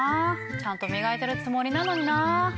ちゃんと磨いてるつもりなのにな。